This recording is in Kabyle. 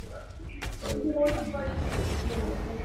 Tella kra n lḥaǧa i yeḍṛan?